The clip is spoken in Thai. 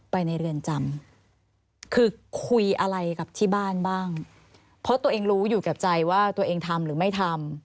เพราะตัวเองรู้อยู่ในใจว่าตัวเองทำหรือไม่ทำ